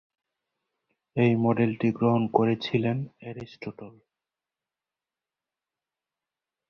এই মডেলটি গ্রহণ করেছিলেন অ্যারিস্টটল।